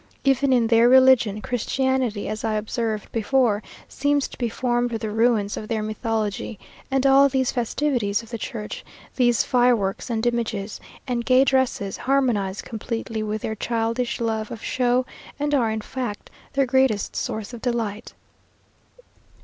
Even in their religion, Christianity, as I observed before, seems to be formed of the ruins of their mythology; and all these festivities of the church, these fireworks, and images, and gay dresses, harmonize completely with their childish love of show, and are, in fact, their greatest source of delight.